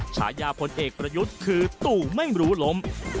ฉายาพลเอกประยุทธ์คือตู่ไม่รู้ล้ม